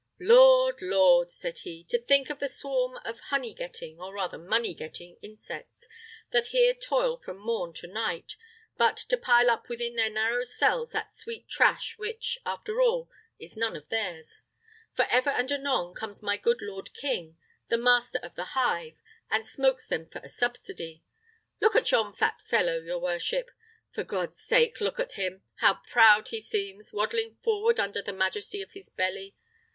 "Lord! Lord!" said he, "to think of the swarm of honey getting, or rather money getting insects, that here toil from morn to night, but to pile up within their narrow cells that sweet trash which, after all, is none of theirs; for ever and anon comes my good lord king, the master of the hive, and smokes them for a subsidy. Look at yon fat fellow, your worship! For God's sake, look at him! How proud he seems, waddling forward under the majesty of his belly!